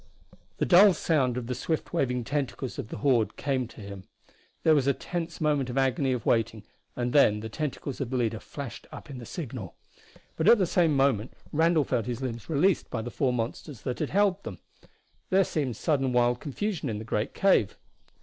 The dull sound of the swift waving tentacles of the horde came to him, there was a tense moment of agony of waiting, and then the tentacles of the leader flashed up in the signal! But at the same moment Randall felt his limbs released by the four monsters that had held them! There seemed sudden wild confusion in the great cave.